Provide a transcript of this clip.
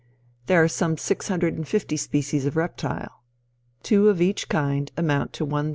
There are some six hundred and fifty species of reptiles. Two of each kind amount to 1,300.